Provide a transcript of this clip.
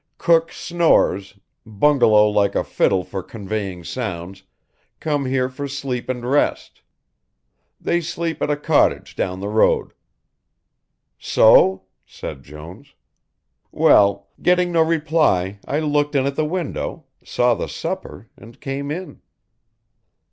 "Cook snores, bungalow like a fiddle for conveying sounds, come here for sleep and rest. They sleep at a cottage down the road." "So?" said Jones. "Well, getting no reply I looked in at the window, saw the supper, and came in."